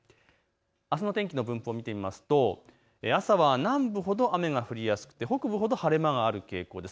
あすの天気の分布を見てみますと朝は南部ほど雨が降りやすくて北部ほど晴れ間がある傾向です。